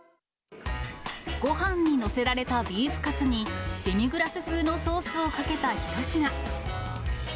ごはんに載せられたビーフカツに、デミグラス風のソースをかけた一品。